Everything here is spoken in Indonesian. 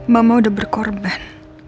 mama udah berkorban